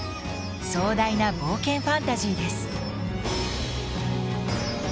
壮大な冒険ファンタジーです。